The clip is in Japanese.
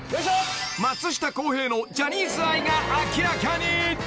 ［松下洸平のジャニーズ愛が明らかに］